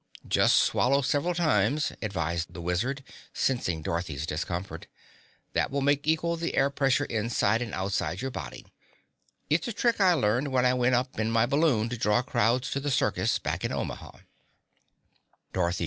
"Just swallow several times," advised the Wizard, sensing Dorothy's discomfort. "That will make equal the air pressure inside and outside your body. It's a trick I learned when I went up in my balloon to draw crowds to the circus back in Omaha."